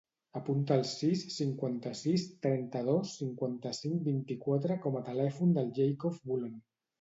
Apunta el sis, cinquanta-sis, trenta-dos, cinquanta-cinc, vint-i-quatre com a telèfon del Jacob Bullon.